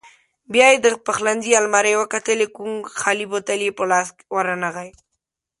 بیا یې د پخلنځي المارۍ وکتلې، کوم خالي بوتل یې په لاس ورنغی.